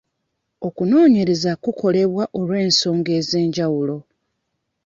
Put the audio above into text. Okunoonyereza kukolebwa olw'ensonga ez'enjawulo.